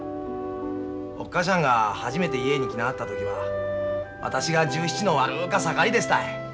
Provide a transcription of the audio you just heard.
おっ母しゃんが初めて家に来なはった時は私が１７の悪か盛りですたい。